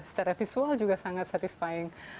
secara visual juga sangat satisfying